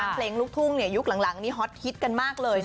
เพลงลูกทุ่งยุคหลังนี้ฮอตฮิตกันมากเลย